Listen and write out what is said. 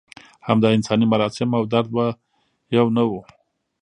همدا انساني مراسم او درد به یو نه و.